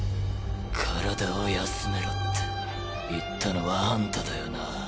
体を休めろって言ったのはあんただよな。